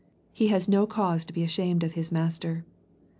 He has no cause to be ashamed of his Master.